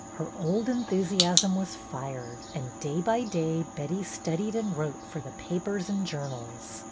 Her old enthusiasm was fired, and day by day Betty studied and wrote for the papers and jour nals.